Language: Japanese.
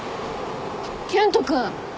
健人君。